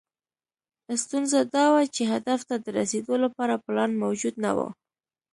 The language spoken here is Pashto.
ستونزه دا وه چې هدف ته د رسېدو لپاره پلان موجود نه و.